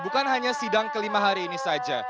bukan hanya sidang kelima hari ini saja